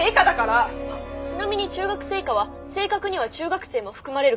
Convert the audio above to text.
ちなみに中学生以下は正確には中学生も含まれるけど。